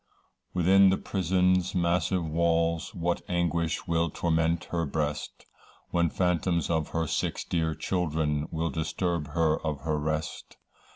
Within the prison's massive walls, What anguish will torment her breast. When phantoms of her six dear children, Will disturb her of her rest.